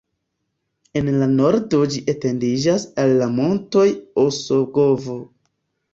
En la nordo ĝi etendiĝas al la montoj Osogovo.